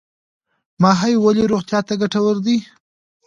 ماهي ولې روغتیا ته ګټور دی؟